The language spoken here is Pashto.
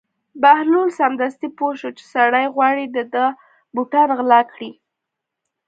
بهلول سمدستي پوه شو چې سړی غواړي د ده بوټان غلا کړي.